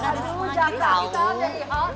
aduh jakarta kita jadi hot